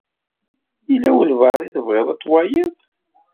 Yella walebɛaḍ i tebɣiḍ ad twaliḍ?